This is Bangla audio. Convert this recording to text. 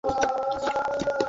আরে থাম!